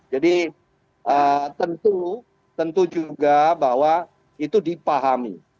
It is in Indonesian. jadi tentu tentu juga bahwa itu dipahami